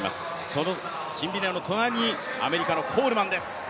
そのシンビネの隣にアメリカのコールマンです。